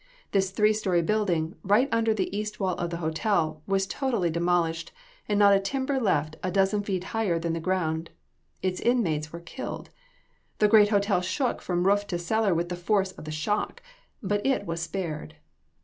This three story building, right under the east wall of the hotel, was totally demolished and not a timber left a dozen feet higher than the ground. Its inmates were killed. The great hotel shook from roof to cellar with the force of the shock, but it was spared.